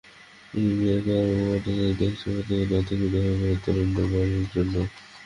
FBI কর্মকর্তাদের দেখে সংগত কারণেই আতঙ্কিত হয়ে পড়েন তরুণের বাড়ির লোকজন।